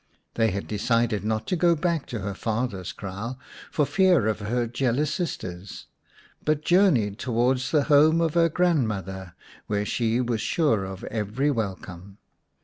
They had decided not to go back to her father's kraal, for fear of her jealous sisters, but journeyed towards the home of her grandmother, where she was sure of every welcome.